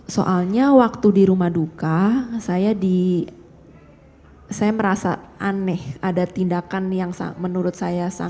soalnya waktu di rumah duka saya di saya merasa aneh ada tindakan yang menurut saya sangat